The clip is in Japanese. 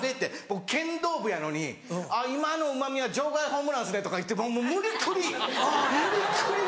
僕剣道部やのに「あっ今のうま味は場外ホームランですね」とか言うてもう無理くり無理くり